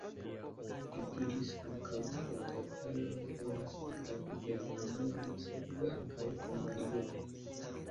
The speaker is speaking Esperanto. Li diris ankaŭ, ke la tataroj volas ataki Germanion, sekve ankaŭ Hungarion.